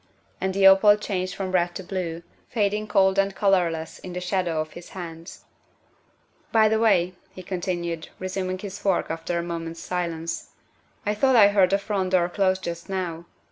And the opal changed from red to blue, fading cold and colorless in the shadow of his hands. '' By the way, '' he continued, resuming his fork after a moment's silence, " I thought I heard the front door close just now.